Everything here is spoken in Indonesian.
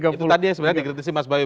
itu tadi yang dikritisi mas bawe